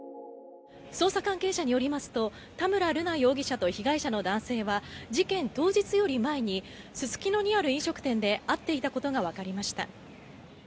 捜査関係者によりますと田村瑠奈容疑者と被害者の男性は事件当日より前にすすきのにある飲食店で会っていたことがわかりました。